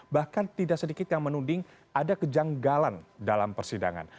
bahkan tidak sedikit yang menuding ada kejanggalan dalam persidangan